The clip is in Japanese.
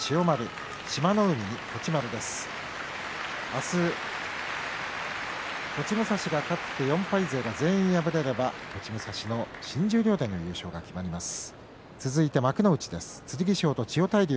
明日、栃武蔵が勝って４敗勢が全員敗れれば栃武蔵の新十両での優勝が決まります。